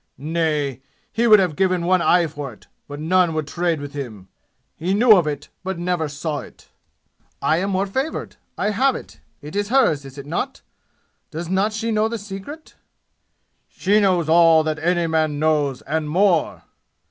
"Nay! He would have given one eye for it, but none would trade with him! He knew of it, but never saw it." "I am more favored. I have it. It is hers, is it not?" "Does not she know the secret?" "She knows all that any man knows and more!"